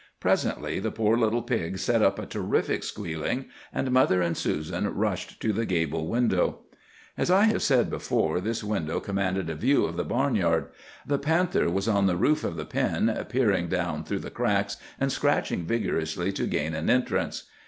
Presently the poor little pig set up a terrific squealing, and mother and Susan rushed to the gable window. "As I have said before, this window commanded a view of the barnyard. The panther was on the roof of the pen, peering down through the cracks, and scratching vigorously to gain an entrance.